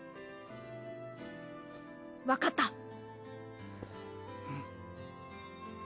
わかった。